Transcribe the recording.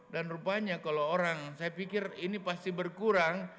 dan rupanya kalau orang saya pikir ini pasti berkurang